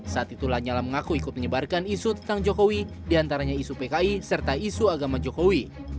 saat itu lanyala mengaku ikut menyebarkan isu tentang jokowi diantaranya isu pki serta isu agama jokowi